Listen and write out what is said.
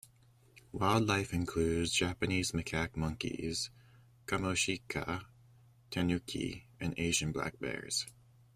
Wildlife includes Japanese macaque monkeys, "kamoshika," "tanuki," and Asian black bears.